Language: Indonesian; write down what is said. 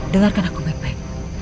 dengarkan aku baik baik